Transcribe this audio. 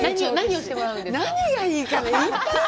何がいいかなぁ。